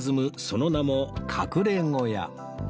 その名も隠れ小屋